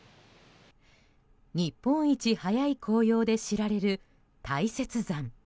日本一早い紅葉で知られる大雪山。